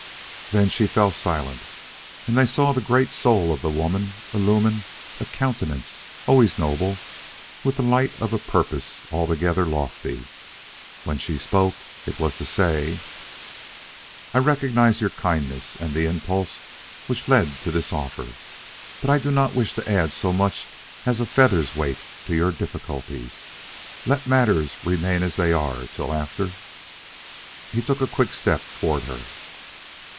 Then she fell silent and they saw the great soul of the woman illumine a countenance always noble, with the light of a purpose altogether lofty. When she spoke it was to say: "I recognize your kindness and the impulse which led to this offer. But I do not wish to add so much as a feather's weight to your difficulties. Let matters remain as they are till after " He took a quick step toward her.